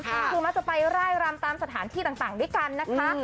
คือมักจะไปร่ายรำตามสถานที่ต่างด้วยกันนะคะ